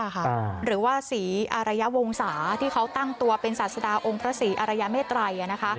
หรือว่าศรีอารยวงศาที่เขาตั้งตัวเป็นศาสดาองค์พระศรีอรยาเมตรัย